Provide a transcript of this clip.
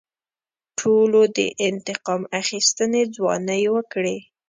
ټولو د انتقام اخیستنې ځوانۍ وکړې.